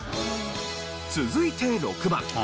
続いて６番。